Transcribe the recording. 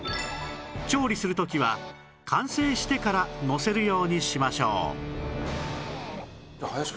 調理する時は完成してからのせるようにしましょう